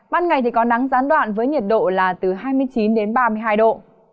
ban ngày thì có nắng gián đoạn với nhiệt độ là từ hai mươi chín đến ba mươi hai độ